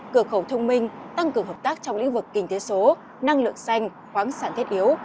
cửa khẩu thông minh tăng cường hợp tác trong lĩnh vực kinh tế số năng lượng xanh khoáng sản thiết yếu